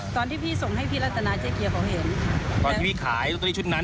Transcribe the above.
ตอนที่พี่ส่งให้พี่รัตนาเจ๊เกียร์เขาเห็นตอนที่พี่ขายลอตเตอรี่ชุดนั้น